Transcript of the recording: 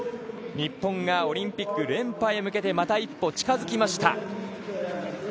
日本がオリンピック連覇へ向けてまた一歩、近づきました。